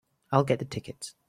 I'll get the tickets.